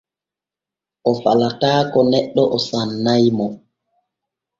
O falataako neɗɗe o sannay mo.